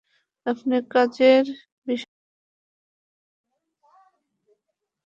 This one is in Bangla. আপনার কাজের বিশাল ভক্ত।